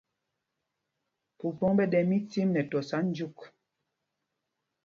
Mpumpoŋ ɓɛ ɗɛ micim nɛ tɔsa jyûk.